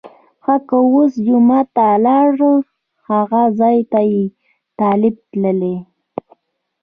ښه که اوس جمعه ته لاړم هغه ځای ته چې طالب تللی.